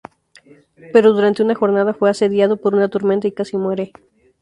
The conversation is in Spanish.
Pero durante una jornada, fue asediado por una tormenta y casi muere.